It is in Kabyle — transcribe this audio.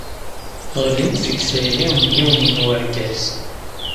Ɣlint deg tayri n yiwen n urgaz.